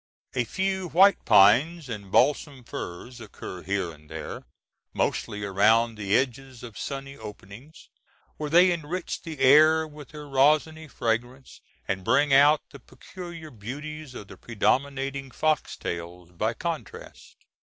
A few white pines and balsam firs occur here and there, mostly around the edges of sunny openings, where they enrich the air with their rosiny fragrance, and bring out the peculiar beauties of the predominating foxtails by contrast.